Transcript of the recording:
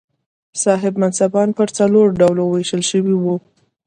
صاحب منصبان پر څلورو ډلو وېشل شوي وو.